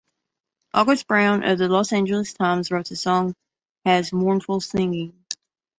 August Brown of the "Los Angeles Times" wrote the song has "mournful singing".